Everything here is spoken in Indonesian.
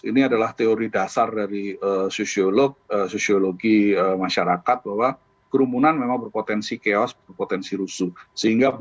ini adalah teori dasar dari sosiologi masyarakat bahwa kerumunan memang berpotensi chaos berpotensi rusuh